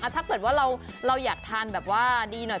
ถ้าเกิดว่าเราอยากทานแบบว่าดีหน่อย